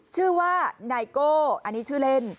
ชื่อว่านายโก้อันนี้ชื่อเล่น